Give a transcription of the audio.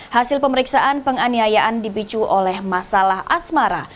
hasil pemeriksaan penganiayaan dipicu oleh masalah asmara